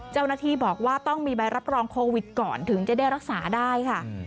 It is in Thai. เจ้าหน้าที่บอกว่าต้องมีใบรับรองโควิดก่อนถึงจะได้รักษาได้ค่ะ